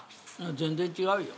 全然違うよ。